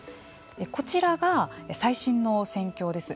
こちらが最新の戦況です。